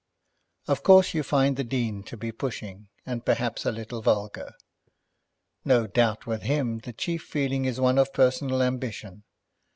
"Of course you find the Dean to be pushing and perhaps a little vulgar. No doubt with him the chief feeling is one of personal ambition.